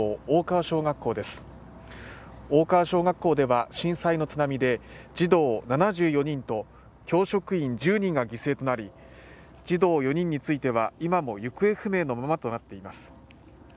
大川小学校です大川小学校では震災の津波で児童７４人と教職員１０人が犠牲となり児童４人については今も行方不明のままとなっています